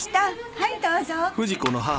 はいどうぞ。